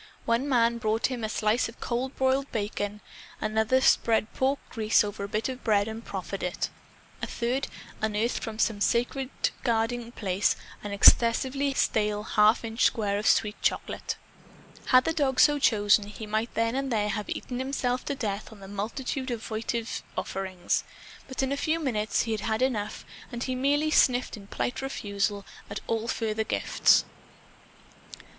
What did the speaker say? One man brought him a slice of cold broiled bacon. Another spread pork grease over a bit of bread and proffered it. A third unearthed from some sacredly guarded hiding place an excessively stale half inch square of sweet chocolate. Had the dog so chosen, he might then and there have eaten himself to death on the multitude of votive offerings. But in a few minutes he had had enough, and he merely sniffed in polite refusal at all further gifts.